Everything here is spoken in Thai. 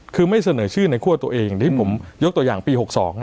คือไม่เสนอชื่อในคั่วตัวเองอย่างที่ผมยกตัวอย่างปี๖๒